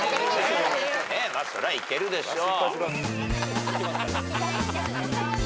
そりゃいけるでしょう。